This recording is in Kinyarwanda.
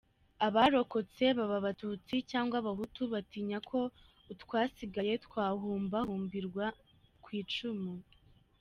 Abarokotse baba abatutsi cg abahutu batinya ko utwasigaye twahumbahumbirwa kw’icumu